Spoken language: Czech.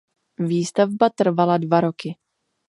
Výstavba trvala dva roky.